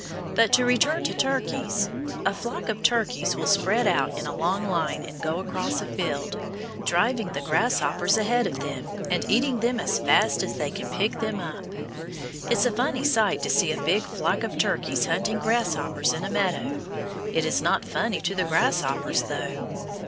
But to return to turkeys. A flock of turkeys will spread out in a long line, and go across a field, driving the grasshoppers ahead of them, and eating them as fast as they can pick them up. It is a funny sight to see a big flock of turkeys hunting grasshoppers in a meadow. It is not funny to the grasshoppers, though.